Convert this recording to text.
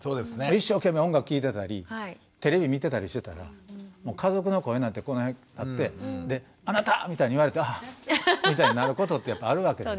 一生懸命音楽聴いてたりテレビ見てたりしてたら家族の声なんてこの辺あってで「あなた！」みたいに言われたら「ああっ」みたいになることってやっぱあるわけですね。